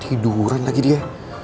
tiduran lagi dia